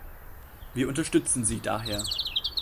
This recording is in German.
Wir unterstützen sie daher.